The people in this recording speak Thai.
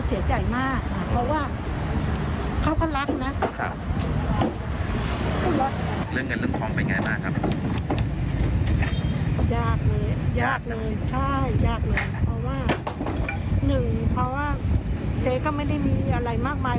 เพราะว่า๑เพราะว่าเจ๊ก็ไม่ได้มีอะไรมากมาย